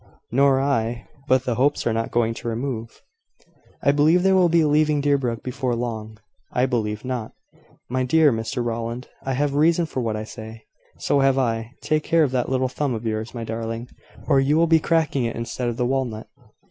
"Nor I: but the Hopes are not going to remove." "I believe they will be leaving Deerbrook before long." "I believe not." "My dear Mr Rowland, I have reason for what I say." "So have I. Take care of that little thumb of yours, my darling, or you will be cracking it instead of the walnut."